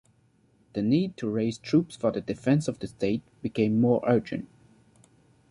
The need to raise troops for the defense of the state became more urgent.